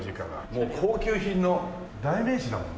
もう高級品の代名詞だもんね。